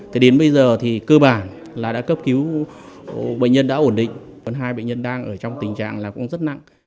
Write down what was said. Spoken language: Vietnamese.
thế đến bây giờ thì cơ bản là đã cấp cứu bệnh nhân đã ổn định còn hai bệnh nhân đang ở trong tình trạng là cũng rất nặng